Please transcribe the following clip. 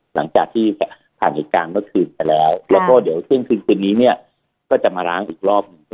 หลังจากที่ถามเหตุการณ์เมื่อทีกว่าแล้วก็เดี๋ยวบนเท่านี้ก็จะมาล้างอีกรอบ